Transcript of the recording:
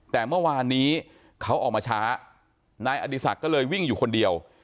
แต่เมื่อวานนี้เขาออกมาช้านายอดีศักดิ์ก็เลยวิ่งอยู่คนเดียว